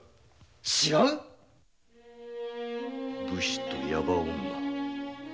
違う⁉武士と矢場女